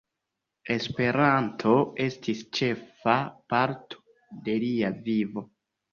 Esperanto estis ĉefa parto de lia vivo.